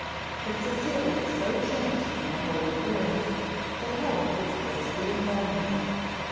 But Cecilia so changed in her whole appearance, that Helen would scarcely have known her.